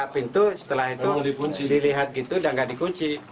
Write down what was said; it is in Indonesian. pintu setelah itu dilihat dan tidak dikunci